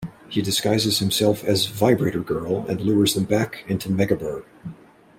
He disguises himself as "Vibrator Girl" and lures them back into Megaburgh.